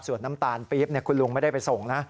ส่วนน้ำตาลปี๊บคุณลุงไม่ได้ไปส่งนะ